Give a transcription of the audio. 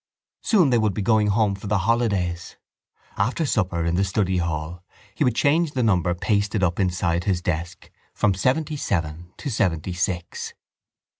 Soon they would be going home for the holidays. After supper in the study hall he would change the number pasted up inside his desk from seventyseven to seventysix.